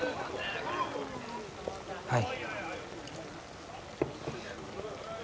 はい。